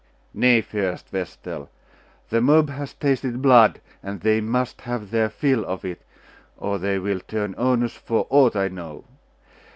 'Nay, fairest vestal! The mob has tasted blood, and they must have their fill of it, or they will turn onus for aught I know.